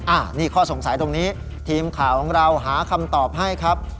อันนี้ข้อสงสัยตรงนี้ทีมข่าวของเราหาคำตอบให้ครับ